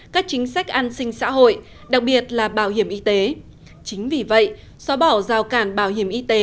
các chính sách an sinh xã hội đặc biệt là bảo hiểm y tế chính vì vậy xóa bỏ rào cản bảo hiểm y tế